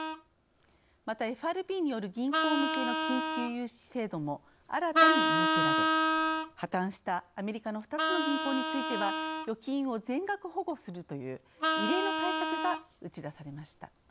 また、ＦＲＢによる銀行向けの緊急融資制度も新たに設けられ破綻したアメリカの２つの銀行については預金を全額保護するという異例の対策が打ち出されました。